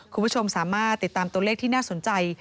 คุณผู้ชมสามารถติดตามตัวเลขที่น่าสนใจ